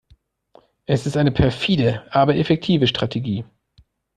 Es ist eine perfide, aber effektive Strategie.